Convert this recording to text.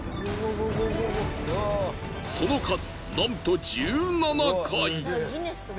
その数なんと１７回！